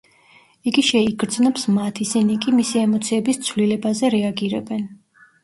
იგი შეიგრძნობს მათ, ისინი კი მისი ემოციების ცვლილებაზე რეაგირებენ.